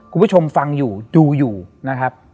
คุณผู้ชมฟังอยู่ดูอยู่นะครับ